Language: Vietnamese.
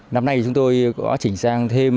năm nay chúng tôi có chỉnh sang thêm